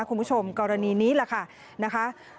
คุณผู้ชมกรณีนี้ล่ะค่ะ